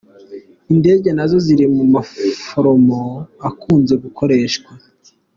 Indege nazo ziri mu maforoma akunze gukoreshwa.